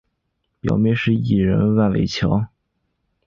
表妹是艺人万玮乔。